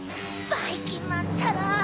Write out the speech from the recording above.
ばいきんまんったら！